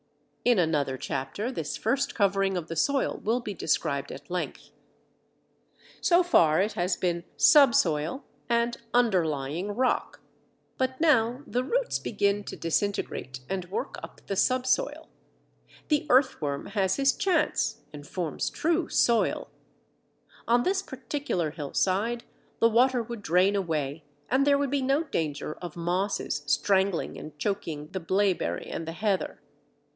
In another chapter this first covering of the soil will be described at length. So far it has been subsoil and underlying rock, but now the roots begin to disintegrate and work up the subsoil; the earthworm has his chance, and forms true soil. On this particular hillside, the water would drain away and there would be no danger of mosses strangling and choking the Blaeberry and the Heather.